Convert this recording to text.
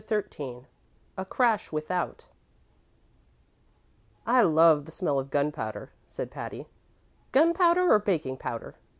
XIII A Crash Without "I love the smell of powder," said Patty. "Gunpowder or baking powder?"